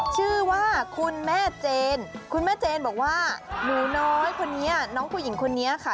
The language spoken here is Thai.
ชื่อว่าคุณแม่เจนคุณแม่เจนบอกว่าหนูน้อยคนนี้น้องผู้หญิงคนนี้ค่ะ